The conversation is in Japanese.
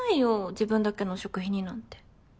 自分だけの食費になんて。